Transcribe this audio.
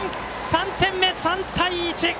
３点目、３対１！